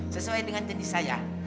sesuai dengan janji saya